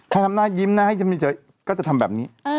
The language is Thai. ถ้าทำหน้ายิ้มหน้าให้ยิ้มไม่เจ๋ยก็จะทำแบบนี้